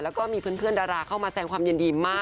แล้วก็มีเพื่อนดาราเข้ามาแสงความยินดีมาก